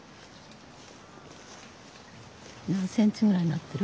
何センチぐらいになってる？